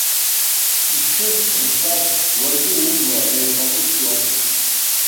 Ишьы рҳәар, уаргьы убла еихаҟәысуам.